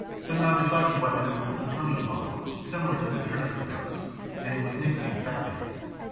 The Nagasaki weapon was a plutonium bomb, similar to the Trinity device, and it was nicknamed Fat Man.